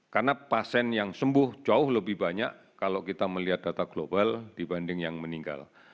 karena pasien yang sembuh jauh lebih banyak kalau kita melihat data global dibanding yang meninggal